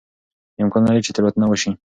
امکان لري چې تېروتنه وشي.